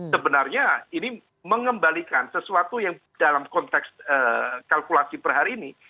sebenarnya ini mengembalikan sesuatu yang dalam konteks kalkulasi per hari ini